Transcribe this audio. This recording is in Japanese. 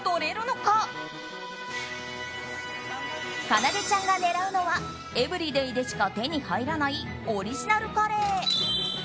かなでちゃんが狙うのはエブリデイでしか手に入らないオリジナルカレー。